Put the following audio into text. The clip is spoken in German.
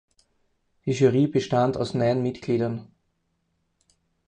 Die Jury bestand aus neun Mitgliedern.